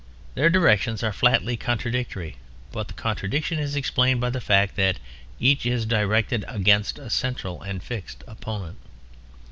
Their directions are flatly contradictory, but the contradiction is explained by the fact that each is directed against a central and fixed opponent.